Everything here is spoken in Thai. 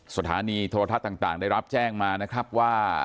สถานีโทรทัศน์ต่างได้รับแจ้งมานะครับว่า